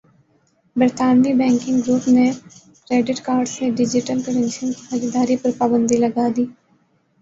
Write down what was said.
برطانوی banking group نے credit card سے ڈیجیٹل کرنسیوں کی خریداری پرپابندی لگادی